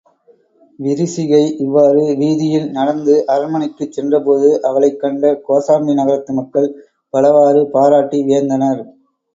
விரிசிகை இவ்வாறு வீதியில் நடந்து அரண்மனைக்குச் சென்றபோது அவளைக் கண்ட கோசாம்பி நகரத்து மக்கள் பலவாறு பாராட்டி வியந்தனர்.